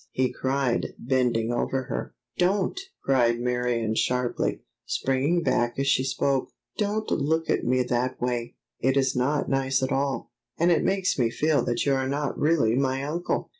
he cried, bending over her. "Don't!" cried Marion sharply, springing back as she spoke. "Don't look at me that way; it is not nice at all, and it makes me feel that you are not really my uncle!"